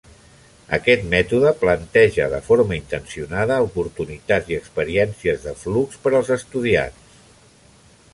Aquest mètode planteja de forma intencionada oportunitats i experiències de flux per als estudiants.